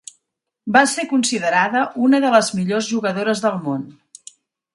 Va ser considerada una de les millors jugadores del món.